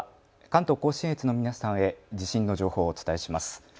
関東甲信越の皆さんへ地震の情報をお伝えします。